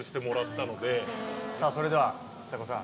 さぁそれではちさ子さん